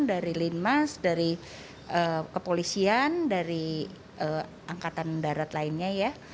dari linmas dari kepolisian dari angkatan darat lainnya ya